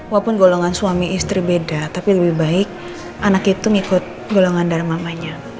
walaupun golongan suami istri beda tapi lebih baik anak itu ngikut golongan darah mamanya